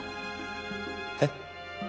えっ？